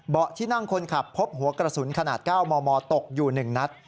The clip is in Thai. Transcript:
ที่นั่งคนขับพบหัวกระสุนขนาด๙มมตกอยู่๑นัด